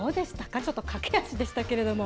ちょっと駆け足でしたけれども。